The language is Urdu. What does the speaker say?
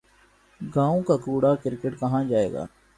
گاؤں کا کوڑا کرکٹ کہاں جائے گا۔